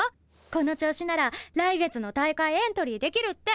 この調子なら来月の大会エントリーできるって！